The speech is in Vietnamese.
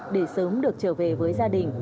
để sớm được trở về với gia đình